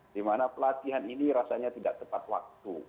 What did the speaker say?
di mana pelatihan ini rasanya tidak tepat waktu